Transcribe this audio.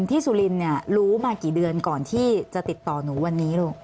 สุรินเนี่ยรู้มากี่เดือนก่อนที่จะติดต่อหนูวันนี้ลูก